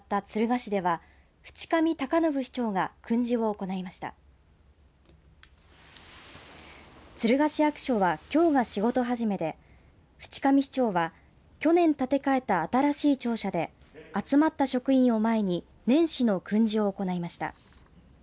敦賀市役所はきょうが仕事始めで渕上市長は去年、建て替えた新しい庁舎で集まった職員を前に年始の訓示を行いました。